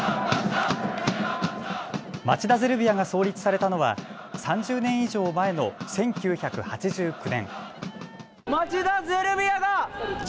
町田ゼルビアが創立されたのは３０年以上前の１９８９年。